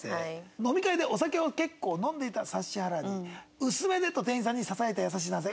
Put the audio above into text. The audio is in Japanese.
飲み会でお酒を結構飲んでいた指原に「薄めで」と店員さんにささやいた優しい男性。